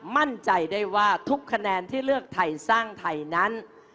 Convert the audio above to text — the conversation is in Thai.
มั่นใจได้ว่าทุกคะแนนที่เลือกไทยสร้างไทยนั้น